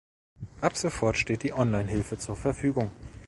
Ab sofort steht die Online-Hilfe zur Verfügung.